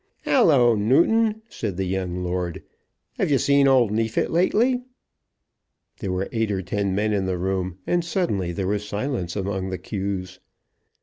"Halloa, Newton," said the young lord, "have you seen old Neefit lately?" There were eight or ten men in the room, and suddenly there was silence among the cues.